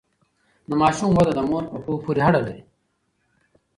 د ماشوم وده د مور په پوهه پورې اړه لري۔